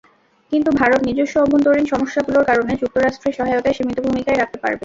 কিন্তু ভারত নিজস্ব অভ্যন্তরীণ সমস্যাগুলোর কারণে যুক্তরাষ্ট্রের সহায়তায় সীমিত ভূমিকাই রাখতে পারবে।